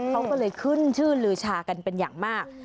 เขาก็เลยขึ้นชื่อลือชากันเป็นอย่างมาก